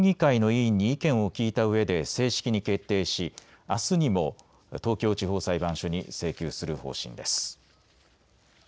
審議会の委員に意見を聴いたうえで正式に決定しあすにも東京地方裁判所に請求する方針です。